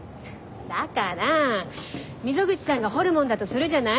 だから溝口さんがホルモンだとするじゃない。